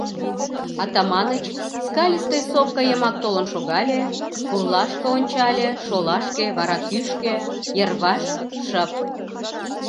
Атаманыч Скалистый сопка йымак толын шогале, пурлашке ончале, шолашке, вара кӱшкӧ: йырваш шып.